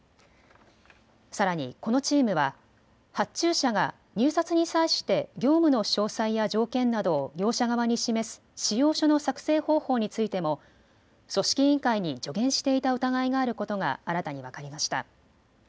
さらにこのチームは発注者が入札に際して業務の詳細や条件などを業者側に示す仕様書の作成方法についても組織委員会に助言していた疑いがあることが新たに分かりました。